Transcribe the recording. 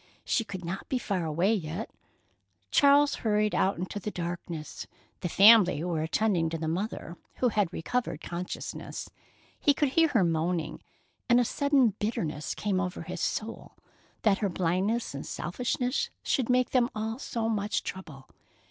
She could not be far away yet. Charles hurried out into the darkness. The family were attending to the mother, who had recovered consciousness. He could hear her moaning, and a sudden bitterness came over his soul, that her blindness and selfishness should make them all so much trouble.